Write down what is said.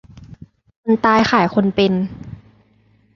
คนตายขายคนเป็น